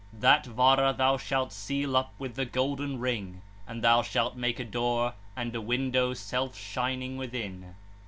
That Vara thou shalt seal up with the golden ring 2, and thou shalt make a door, and a window self shining within.'